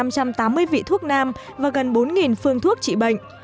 năm trăm tám mươi vị thuốc nam và gần bốn phương thuốc trị bệnh